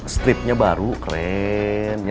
stripnya baru keren ya